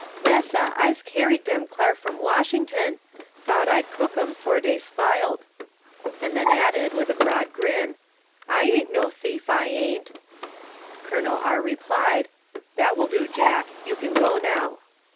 "Massa, I'se carried dem cl'ar from Washington; thought I'd cook 'em 'fore dey sp'il'd"; and then added, with a broad grin, "I aint no thief, I aint." Col. R. replied: "That will do, Jack, you can go now."